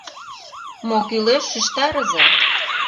— Мо кӱлеш — шижтарыза!